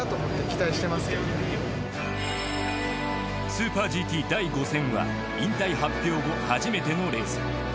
スーパーＧＴ第５戦は引退発表後初めてのレース。